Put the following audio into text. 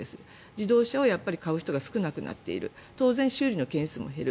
自動車を買う人が少なくなっている当然、修理の件数も減る。